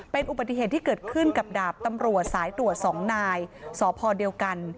เป็นอุบัติเหตุที่เกิดขึ้นกับดาบตำรวจสายตรวจ๒นายสพเดียวกัน